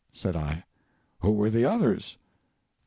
said I; "who were the others?"